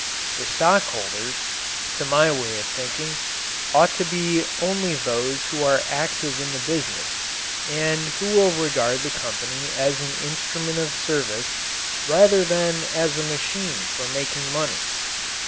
The stockholders, to my way of thinking, ought to be only those who are active in the business and who will regard the company as an instrument of service rather than as a machine for making money.